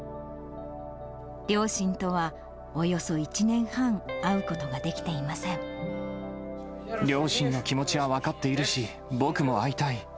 両親とはおよそ１年半、両親の気持ちは分かっているし、僕も会いたい。